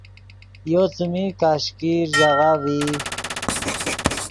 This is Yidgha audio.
یو څیمی کشکیر ژاغہ ڤئی